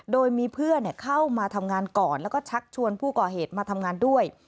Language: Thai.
โดยมีเพื่อนเข้ามาทำงานก่อนแล้วก็ชักชวนผู้ก่อเหตุมาทำงานด้วย